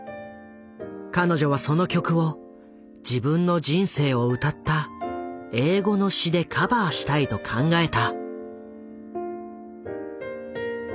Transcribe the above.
彼女はその曲を自分の人生を歌った英語の詞でカバーしたいと考えた。